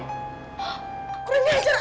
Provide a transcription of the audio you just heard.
gue gak nyajar amat